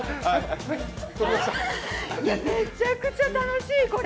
めちゃくちゃ楽しい、これ。